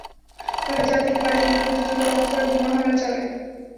হঠাৎ চার থেকে পাঁচজন দুর্বৃত্ত তাঁদের লক্ষ্য করে বোমা হামলা চালায়।